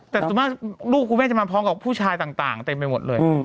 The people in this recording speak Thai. แต่ส่วนมากลูกคุณแม่จะมาพร้อมกับผู้ชายต่างเต็มไปหมดเลย